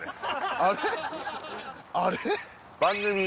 あれ？